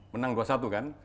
menang dua satu kan